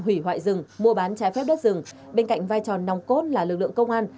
hủy hoại rừng mua bán trái phép đất rừng bên cạnh vai trò nòng cốt là lực lượng công an